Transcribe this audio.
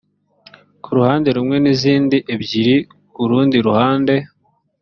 ku ruhande rumwe n izindi ebyiri ku rundi ruhande